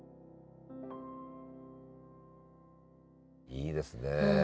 いいですね。